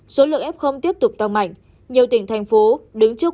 số lượng f tiếp tục tăng mạnh nhiều tỉnh thành phố đứng trước